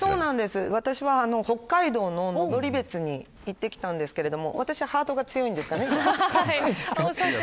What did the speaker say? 私は北海道の登別に行ってきたんですけど私はハートが強いんですかね。